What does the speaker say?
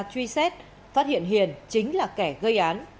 truy xét phát hiện hiền chính là kẻ gây án